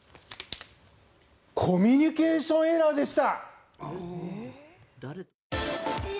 コミュニケーションエラーでした！